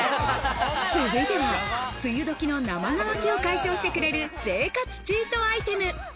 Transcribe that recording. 続いては、梅雨どきの生乾きを解消してくれる、生活チートアイテム。